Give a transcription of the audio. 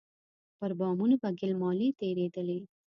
پر بامونو به ګيل مالې تېرېدلې.